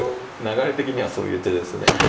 流れ的にはそういう手ですね。